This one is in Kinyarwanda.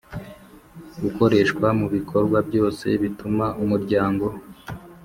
ukoreshwa mu bikorwa byose bituma Umuryango